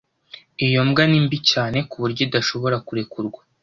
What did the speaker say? Iyo mbwa ni mbi cyane ku buryo idashobora kurekurwa.